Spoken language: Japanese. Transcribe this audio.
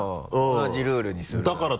同じルールにするなら。